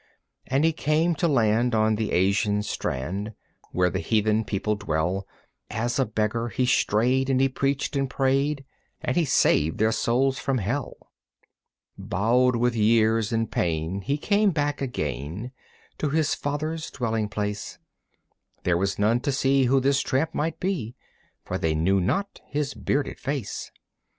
And he came to land on the Asian strand Where the heathen people dwell; As a beggar he strayed and he preached and prayed And he saved their souls from hell. Bowed with years and pain he came back again To his father's dwelling place. There was none to see who this tramp might be, For they knew not his bearded face.